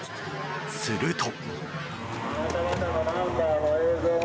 すると。